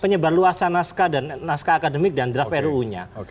penyebar luasa naskah dan naskah akademik dan draft ru nya